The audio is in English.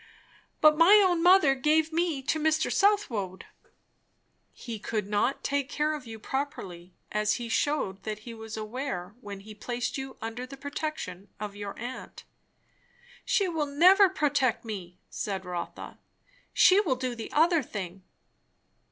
"But my own mother gave me to Mr. Southwode." "He could not take care of you properly; as he shewed that he was aware when he placed you under the protection of your aunt." "She will never protect me," said Rotha. "She will do the other thing."